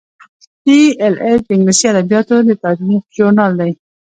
ای ایل ایچ د انګلیسي ادبیاتو د تاریخ ژورنال دی.